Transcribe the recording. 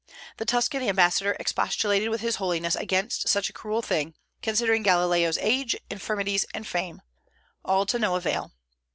The Tuscan ambassador expostulated with his Holiness against such a cruel thing, considering Galileo's age, infirmities, and fame, all to no avail.